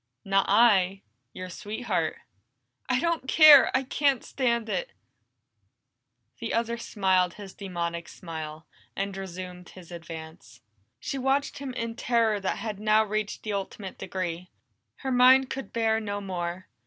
"Not I your sweetheart." "I don't care! I can't stand it!" The other smiled his demoniac smile, and resumed his advance. She watched him in terror that had now reached the ultimate degree; her mind could bear no more.